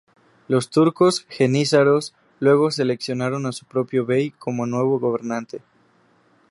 Los turcos jenízaros luego seleccionaron a su propio Bey como nuevo gobernante.